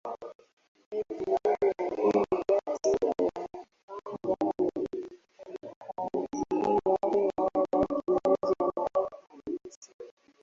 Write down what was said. elfu mbili na mbili dadi ya Wapangwa ilikadiriwa kuwa laki moja na elfu hamsini